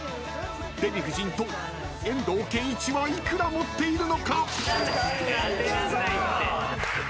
デヴィ夫人と遠藤憲一はいくら持っているのか。